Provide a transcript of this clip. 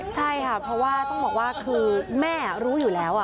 ใช่ค่ะเพราะว่าต้องบอกว่าคือแม่รู้อยู่แล้ว